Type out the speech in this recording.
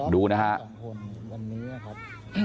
ดูนะครับ